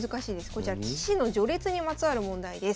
こちら棋士の序列にまつわる問題です。